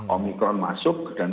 omikron masuk dan